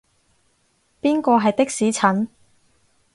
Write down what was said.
邊個係的士陳？